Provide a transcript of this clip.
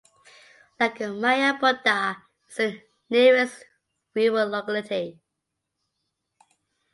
Lakomaya Buda is the nearest rural locality.